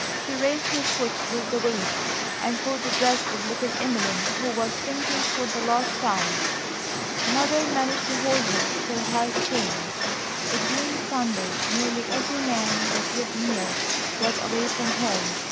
She raised her foot with the weight, and caught the dress of little Emeline, who was sinking for the last time. Mother managed to hold her till help came. It being Sunday, nearly every man that lived near was away from home.